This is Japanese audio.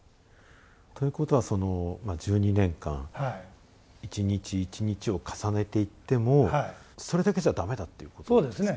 ということは１２年間一日一日を重ねていってもそれだけじゃ駄目だっていうことですか？